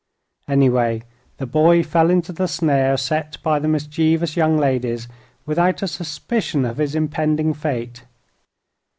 Anyway, the boy fell into the snare set by the mischievous young ladies without a suspicion of his impending fate.